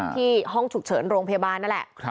ห้องฉุกเฉินโรงพยาบาลนั่นแหละ